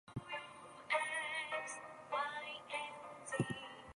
Funny when I was dreaming I always made a better speech.